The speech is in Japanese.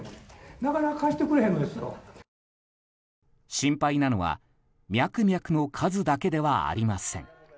心配なのは、ミャクミャクの数だけではありません。